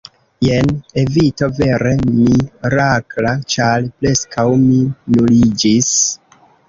“Jen evito vere mirakla! Ĉar preskaŭ mi nuliĝis!”